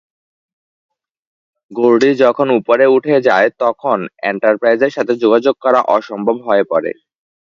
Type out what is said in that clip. গোরডি যখন উপরে উঠে যায়, তখন এন্টারপ্রাইজের সাথে যোগাযোগ করা অসম্ভব হয়ে পড়ে।